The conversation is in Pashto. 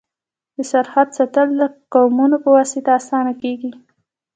د سرحد ساتل د قومونو په واسطه اسانه کيږي.